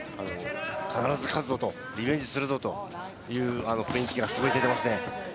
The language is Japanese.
必ず勝つぞ、リベンジするぞという雰囲気がすごい出てますね。